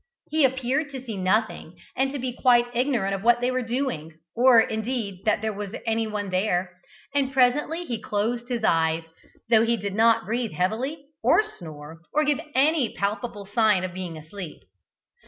He appeared to see nothing, and to be quite ignorant of what they were doing, or indeed that there was any one there, and presently he closed his eyes, though he did not breathe heavily, or snore, or give any palpable sign of being asleep.